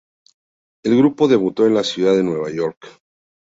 El grupo debutó en la ciudad de Nueva York.